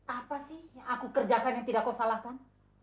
apa sih yang aku kerjakan yang tidak kau salahkan